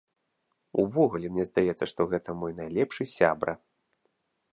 Увогуле, мне здаецца, што гэта мой найлепшы сябра!